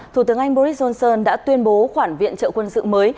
thủ tướng anh boris johnson đã tuyên bố khoản viện trợ quân sự mới